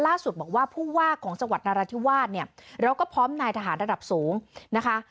ล่าสุดบอกว่าผู้ว่าของจังหวัดนราธิวาสเนี่ยเราก็พร้อมนายทหารระดับสูงนะคะ